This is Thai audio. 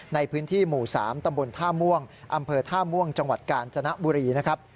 ในพื้นที่หมู่๓ตำบลท่าม่วงอำเภอท่าม่วงจังหวัดกาญจนบุรีนะครับ